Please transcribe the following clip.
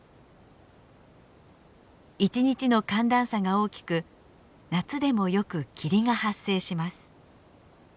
一日の寒暖差が大きく夏でもよく霧が発生します。